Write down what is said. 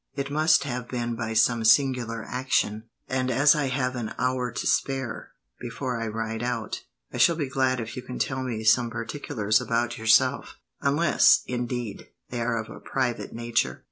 It must have been by some singular action, and as I have an hour to spare, before I ride out, I shall be glad if you can tell me some particulars about yourself; unless, indeed, they are of a private nature."